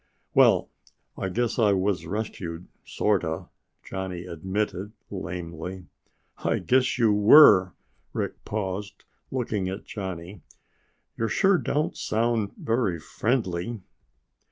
"Well, I guess I was rescued sorta," Johnny admitted lamely. "I guess you were!" Rick paused, looking at Johnny. "You sure don't sound very friendly."